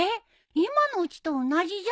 今のうちと同じじゃん。